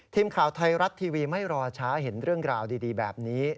ทีมข่าวไทยรัฐทีวีไม่รอช้าเห็นเรื่องราวดีแบบนี้